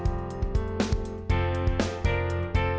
aduh aduh aduh aduh